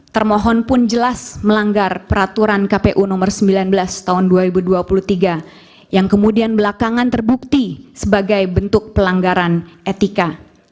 termohon pun jelas melanggar peraturan kpu nomor sembilan belas tahun dua ribu dua puluh tiga yang kemudian belakangan terbukti sebagai bentuk pelanggaran etika